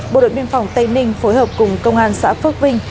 bộ đội biên phòng tây ninh phối hợp cùng công an xã phước vinh